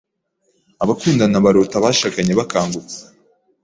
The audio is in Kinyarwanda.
Abakundana barota, abashakanye bakangutse